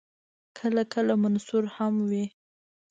کله کله منثور هم وي.